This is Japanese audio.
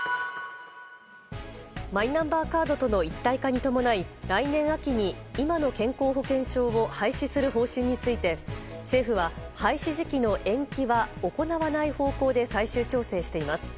マイナンバーカードとの一体化に伴い来年秋に今の健康保険証を廃止する方針について政府は、廃止時期の延期は行わない方向で最終調整しています。